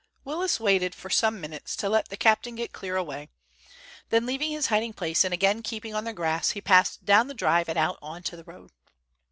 Willis waited for some minutes to let the captain get clear away, then leaving his hiding place and again keeping on the grass, he passed down the drive and out on to the road.